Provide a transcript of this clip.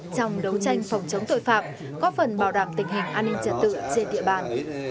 trong đấu tranh phòng chống tội phạm có phần bảo đảm tình hình an ninh trật tự trên địa bàn